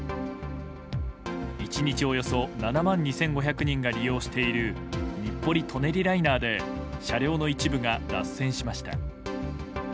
１日およそ７万２５００人が利用している日暮里・舎人ライナーで車両の一部が脱線しました。